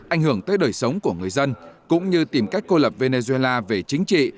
ảnh hưởng tới đời sống của người dân cũng như tìm cách cô lập venezuela về chính trị